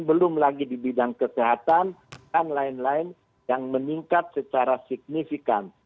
belum lagi di bidang kesehatan dan lain lain yang meningkat secara signifikan